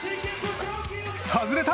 外れた。